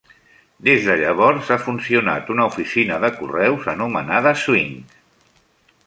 Des de llavors ha funcionat una oficina de correus anomenada Swink.